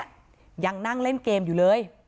ยังนั่งเล่นเกมอยู่เลย